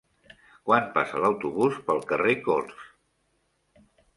Quan passa l'autobús pel carrer Corts?